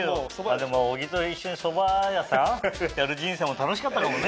でも小木と一緒にそば屋さんやる人生も楽しかったかもね。